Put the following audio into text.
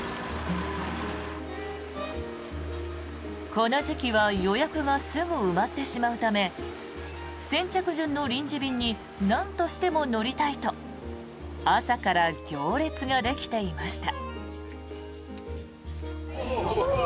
この時期は予約がすぐ埋まってしまうため先着順の臨時便になんとしても乗りたいと朝から行列ができていました。